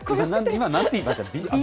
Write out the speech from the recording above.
今、なんて言いました？